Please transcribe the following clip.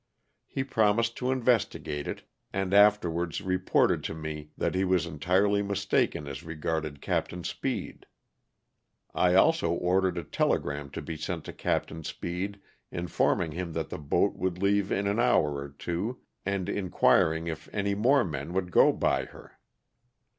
He promised to investigate it, and afterwards reported to me that he was entirely mistaken as regarded Capt. Speed. I also ordered a telegram to b3 sent to Capt. Speed informing him that the boat would leave in an hour or two, and inquir ing if any more men would go by her.